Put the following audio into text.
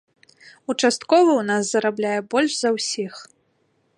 Участковы ў нас зарабляе больш за ўсіх.